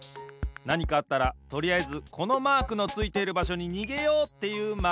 なにかあったらとりあえずこのマークのついている場所ににげようっていうマークです。